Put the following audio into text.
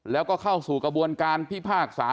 แล้วก็เข้าสู่กระบวนการพิพากษา